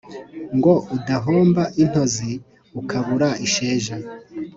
ngo udahonda intozi ukabura isheja